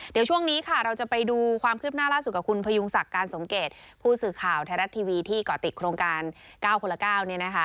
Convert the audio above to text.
เดี๋ยวช่วงนี้ค่ะเราจะไปดูความคืบหน้าล่าสุดกับคุณพยุงศักดิ์การสมเกตผู้สื่อข่าวไทยรัฐทีวีที่เกาะติดโครงการ๙คนละ๙เนี่ยนะคะ